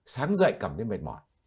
sáng dậy cảm thấy mệt mỏi